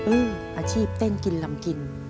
อาชีพเต้นกินลำกิน